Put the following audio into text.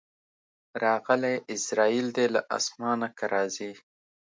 راغلی عزراییل دی له اسمانه که راځې